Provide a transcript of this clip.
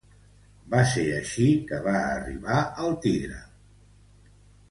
Va ser així que va arribar al Tigre.